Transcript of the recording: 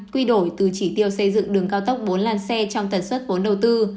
quy đổi từ chỉ tiêu xây dựng đường cao tốc bốn làn xe trong tần suất vốn đầu tư